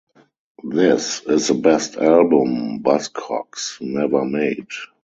This is the best album Buzzcocks never made.